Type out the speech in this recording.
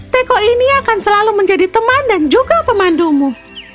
teko ini akan selalu menjadi teman dan juga pemandumu